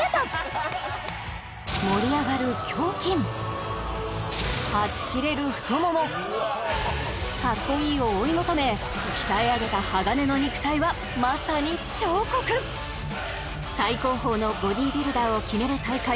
胸筋はちきれる太ももかっこいいを追い求め鍛え上げた鋼の肉体はまさに彫刻最高峰のボディビルダーを決める大会